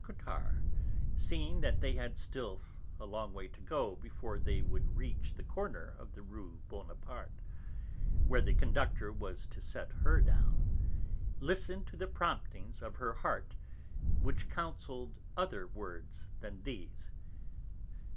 Cottard, seeing that they had still a long way to go before they would reach the corner of the Rue Bonaparte, where the conductor was to set her down, listened to the promptings of her heart, which counselled other words than these.